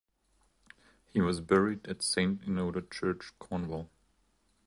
He was buried at Saint Enoder Church, Cornwall.